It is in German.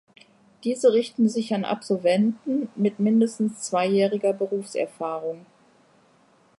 Diese richten sich an Absolventen mit mindestens zweijähriger Berufserfahrung.